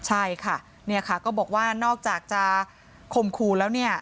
ใช่ค่ะเนี่ยค่ะก็บอกว่านอกจากจะข่มขู่แล้วเนี่ย